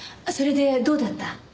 それでどうだった？